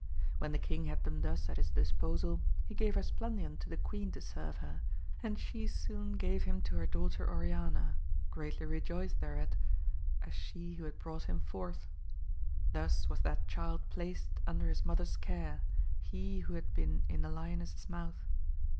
When the king had them thus at his disposal he gave Esplandian to the queen to serve her, and she soon gave him to her daughter Oriana, greatly rejoiced thereat as she who had brought him forth. Thus was that child placed under his mother's care, he who had been in the lioness's mouth.